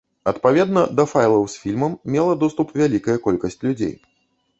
Адпаведна, да файлаў з фільмам мела доступ вялікая колькасць людзей.